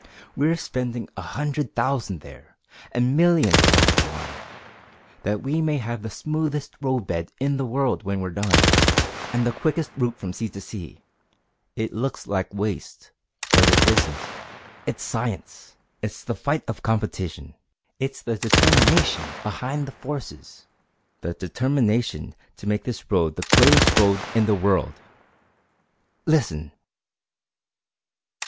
We're spending a hundred thousand there, and millions along the line, that we may have the smoothest roadbed in the world when we're done, and the quickest route from sea to sea. It looks like waste, but it isn't. It's science! It's the fight of competition! It's the determination behind the forces the determination to make this road the greatest road in the world! Listen!"